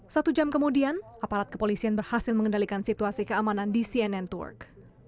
satu jam kemudian aparat kepolisian berhasil mengendalikan situasi keamanan di cnn turk